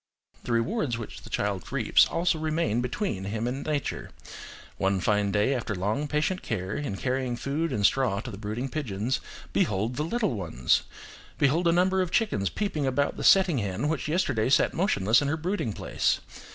The rewards which the child reaps also remain between him and nature: one fine day after long patient care in carrying food and straw to the brooding pigeons, behold the little ones! behold a number of chickens peeping about the setting hen which yesterday sat motionless in her brooding place!